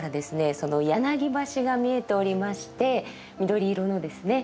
その柳橋が見えておりまして緑色のですね。